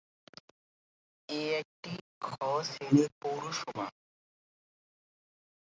এটি একটি ‘‘খ’’ শ্রেনীর পৌরসভা।